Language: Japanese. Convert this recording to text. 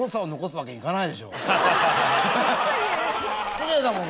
失礼だもん